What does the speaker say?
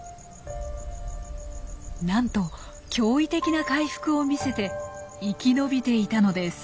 なんと驚異的な回復を見せて生き延びていたのです。